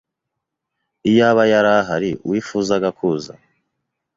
Iyaba yari ahari, wifuzaga kuza?